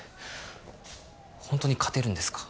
本当に勝てるんですか？